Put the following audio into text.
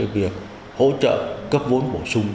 việc hỗ trợ cấp vốn bổ sung